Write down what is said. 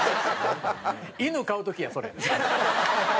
犬飼う時やそれ。